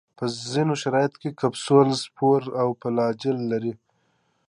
په ځینو شرایطو کې کپسول، سپور او فلاجیل لري.